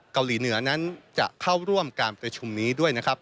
เกาหลีเหนือนั้นจะเข้าร่วมการประชุมนี้ด้วยนะครับ